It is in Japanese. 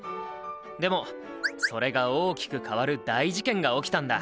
でもそれが大きく変わる大事件が起きたんだ！